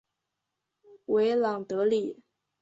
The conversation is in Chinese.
维朗德里。